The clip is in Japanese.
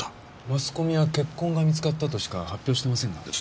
マスコミは血痕が見つかったとしか発表してませんが。